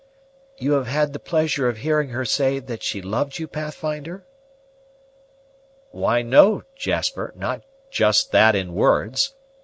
"You have had the pleasure of hearing her say that she loved you, Pathfinder?" "Why, no, Jasper, not just that in words.